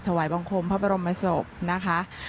ถวายบังคมพระบรมศพนะคะ